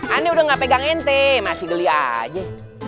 ane udah gak pegang ente masih geli aja